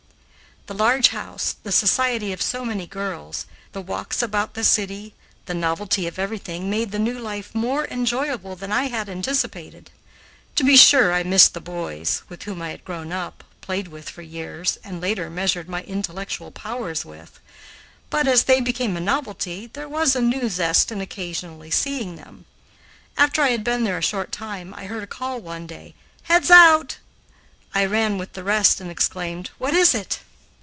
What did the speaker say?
The large house, the society of so many girls, the walks about the city, the novelty of everything made the new life more enjoyable than I had anticipated. To be sure I missed the boys, with whom I had grown up, played with for years, and later measured my intellectual powers with, but, as they became a novelty, there was new zest in occasionally seeing them. After I had been there a short time, I heard a call one day: "Heads out!" I ran with the rest and exclaimed, "What is it?"